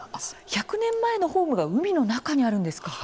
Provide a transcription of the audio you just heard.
１００年前のホームが海の中にあるんですか。